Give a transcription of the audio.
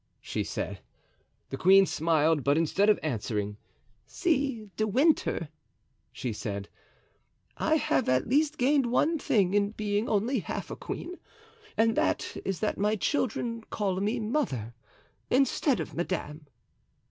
she said. The queen smiled, but instead of answering: "See, De Winter," she said, "I have at least gained one thing in being only half a queen; and that is that my children call me 'mother' instead of 'madame.